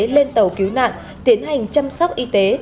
lên tàu cứu nạn tiến hành chăm sóc y tế